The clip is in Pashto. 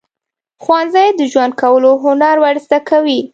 ښوونځی د ژوند کولو هنر ورزده کوي.